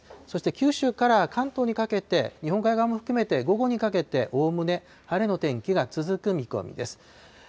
そして九州から関東にかけて、日本海側も含めて、午後にかけて、おおむね晴れの天気が続く見込みです。